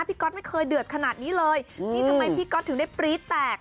ก๊อตไม่เคยเดือดขนาดนี้เลยนี่ทำไมพี่ก๊อตถึงได้ปรี๊ดแตก